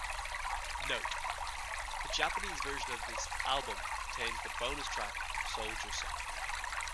"Note:" The Japanese version of this album contains the bonus track, "Soldier Song".